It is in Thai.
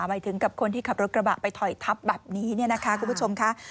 หมายถึงกับคนที่ขับรถกระบะไปถอยทับแบบนี้เนี่ยนะคะคุณผู้ชมค่ะ